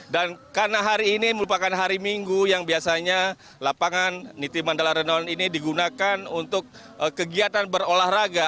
karena hari ini merupakan hari minggu yang biasanya lapangan niti mandala renon ini digunakan untuk kegiatan berolahraga